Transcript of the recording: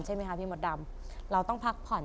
ใช่ไหมคะพี่มดดำเราต้องพักผ่อน